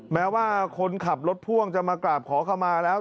แม้ว่าคนขับรถพ่วงจะมากราบขอเข้ามาแล้ว